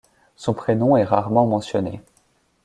Son prénom est rarement mentionné.